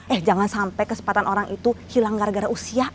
eh jangan sampai kesempatan orang itu hilang gara gara usia